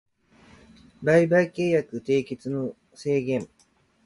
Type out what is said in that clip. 売買契約締結の制限